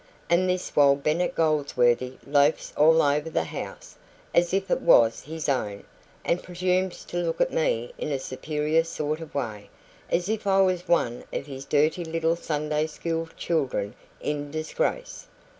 And this while Bennet Goldsworthy loafs all over the house, as if it was his own, and presumes to look at me in a superior sort of way, as if I was one of his dirty little Sunday school children in disgrace.